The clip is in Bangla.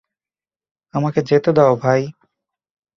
আমাকে যেতে দাও, ভাই।